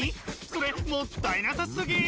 それもったいなさすぎ！